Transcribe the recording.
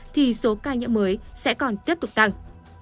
thì số ca nhiễm mới sẽ còn tiếp tục tăng